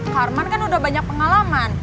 harman kan udah banyak pengalaman